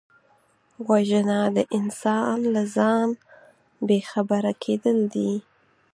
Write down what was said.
وژنه د انسان له ځانه بېخبره کېدل دي